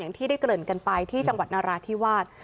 ที่ได้เกริ่นกันไปที่จังหวัดนราธิวาส